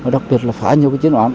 đặc biệt là phá nhiều chiến đoạn